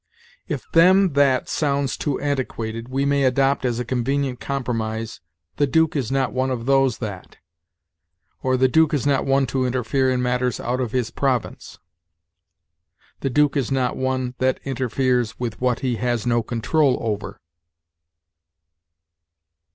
If 'them that' sounds too antiquated, we may adopt as a convenient compromise, 'the Duke is not one of those that'; or, 'the Duke is not one to interfere in matters out of his province'; 'the duke is not one that interferes with what he has no control over.'"